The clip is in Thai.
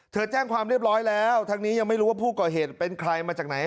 แจ้งความเรียบร้อยแล้วทั้งนี้ยังไม่รู้ว่าผู้ก่อเหตุเป็นใครมาจากไหน